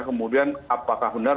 kemudian apakah benar